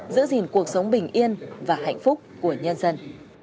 giữ gìn cuộc sống bình yên và hạnh phúc của nhân dân